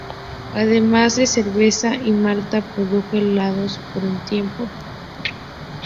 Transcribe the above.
Además de cerveza y malta, produjo helados por un tiempo.